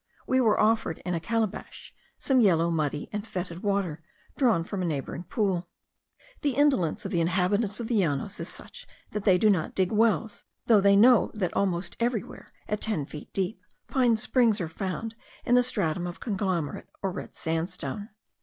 We were offered, in a calabash, some yellow, muddy, and fetid water, drawn from a neighbouring pool. The indolence of the inhabitants of the Llanos is such that they do not dig wells, though they know that almost everywhere, at ten feet deep, fine springs are found in a stratum of conglomerate, or red sandstone.